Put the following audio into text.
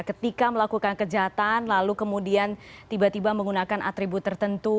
ketika melakukan kejahatan lalu kemudian tiba tiba menggunakan atribut tertentu